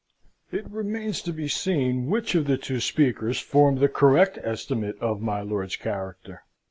It remains to be seen which of the two speakers formed the correct estimate of my lord's character.